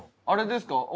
あれですか？